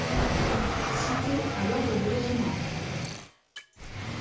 Cité à l’ordre du Régiment.